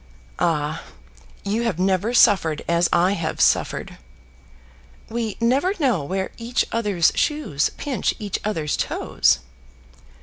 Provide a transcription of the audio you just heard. "Ah, you have never suffered as I have suffered." "We never know where each other's shoes pinch each other's toes."